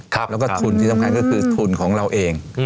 แล้วก็ทุนที่สำคัญก็คือทุนของเราเอง